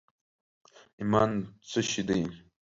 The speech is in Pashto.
ایمان څه شي دي؟